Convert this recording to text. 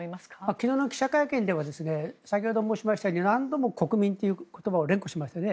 昨日の記者会見でも先ほども申しましたとおり何度も国民という言葉を連呼しましたね。